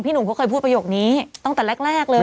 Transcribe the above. หนุ่มเขาเคยพูดประโยคนี้ตั้งแต่แรกเลย